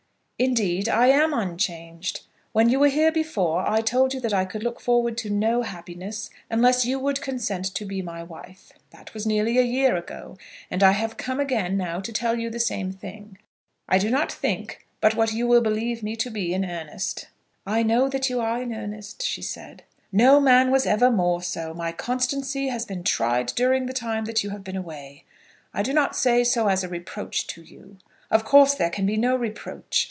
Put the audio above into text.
"Indeed I am unchanged. When you were here before I told you that I could look forward to no happiness unless you would consent to be my wife. That was nearly a year ago, and I have come again now to tell you the same thing. I do not think but what you will believe me to be in earnest." "I know that you are in earnest," she said. "No man was ever more so. My constancy has been tried during the time that you have been away. I do not say so as a reproach to you. Of course there can be no reproach.